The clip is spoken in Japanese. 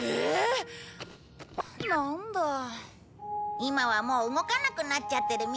今はもう動かなくなっちゃってるみたいだね。